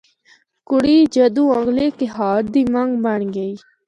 کڑی جدوں اگلے کہار دی منگ بنڑ گئی۔